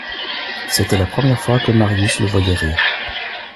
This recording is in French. C'était la première fois que Marius le voyait rire.